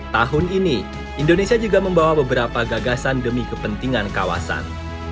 tahun ini indonesia juga membawa beberapa gagasan demi kepentingan kawasan